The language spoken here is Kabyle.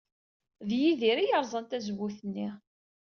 D Yidir ay yerẓan tazewwut-nni.